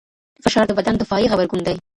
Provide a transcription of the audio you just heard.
فشار د بدن دفاعي غبرګون دی.